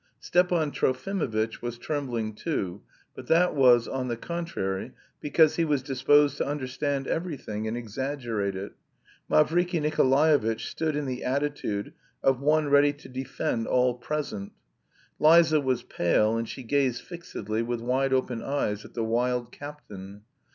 Stepan Trofimovitch was trembling too, but that was, on the contrary, because he was disposed to understand everything, and exaggerate it. Mavriky Nikolaevitch stood in the attitude of one ready to defend all present; Liza was pale, and she gazed fixedly with wide open eyes at the wild captain.